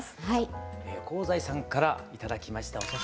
香西さんから頂きましたお写真